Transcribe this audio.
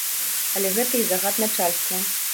Але гэта і загад начальства.